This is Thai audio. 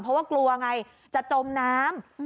เพราะว่ากลัวไงจะจมน้ำ